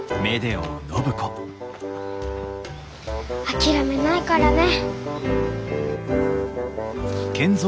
諦めないからね。